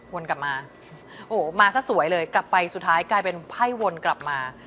วนกลับมาโอ้โหมาซะสวยเลยกลับไปสุดท้ายกลายเป็นไพ่วนกลับมา